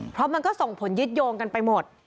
เพราะมันก็ส่งผลยึดโยงกันไปหมด